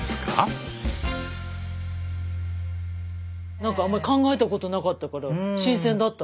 なんかあんまり考えたことなかったから新鮮だったわ。